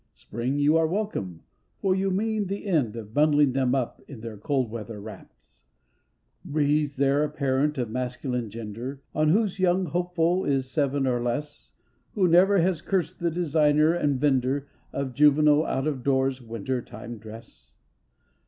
Spring, you are welcome, for you mean the end of Bundling them up in their cold weather wraps. Breathes there a parent of masculine gender, One whose young hopeful is seven or less, Who never has cursed the designer and vender Of juvenile out of doors winter time dress?